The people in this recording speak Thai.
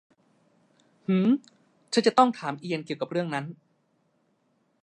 หืม ฉันจะต้องถามเอียนเกี่ยวกับเรื่องนั้น